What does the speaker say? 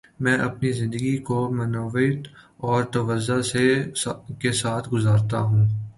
میں اپنی زندگی کو معنویت اور تواضع کے ساتھ گزارتا ہوں۔